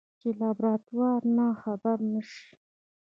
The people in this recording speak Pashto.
چې د لابراتوار نه خبره نشي.